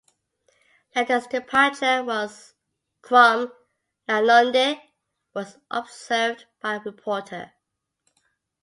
Laton's departure from Lalonde was observed by a reporter.